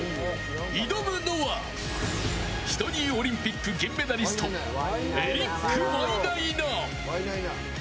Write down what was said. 挑むのはシドニーオリンピック銀メダリストエリック・ワイナイナ。